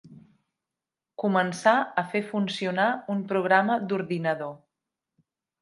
Començar a fer funcionar un programa d'ordinador.